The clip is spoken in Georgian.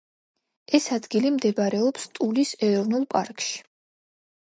ეს ადგილი მდებარეობს ტულის ეროვნული პარკში.